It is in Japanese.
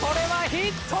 ヒット！